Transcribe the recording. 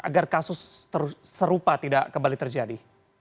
agar kasus serupa tidak kembali terjadi